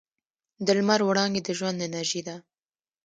د لمر وړانګې د ژوند انرژي ده.